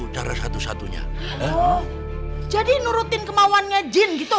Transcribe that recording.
udara satu satunya jadi nurutin kemauannya jin gitu